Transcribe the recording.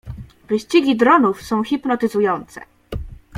Wyścigi dronów są hipnotyzujące.